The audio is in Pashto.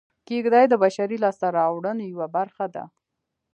کېږدۍ د بشري لاسته راوړنو یوه برخه ده